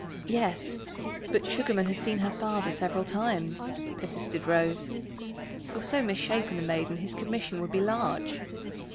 "Yes. But Sugarman has seen her father several times," persisted Rose. "For so misshapen a maiden his commission would be large.